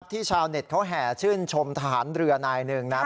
ชาวเน็ตเขาแห่ชื่นชมทหารเรือนายหนึ่งนะครับ